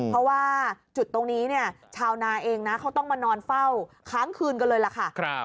เพราะว่าจุดตรงนี้เนี่ยชาวนาเองนะเขาต้องมานอนเฝ้าค้างคืนกันเลยล่ะค่ะ